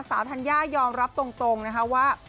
ธัญญายอมรับตรงนะคะว่า